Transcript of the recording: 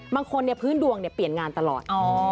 พื้นดวงเปลี่ยนงานตลอด